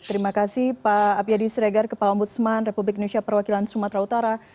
terima kasih pak apyadi sregar kepala ombudsman republik indonesia perwakilan sumatera utara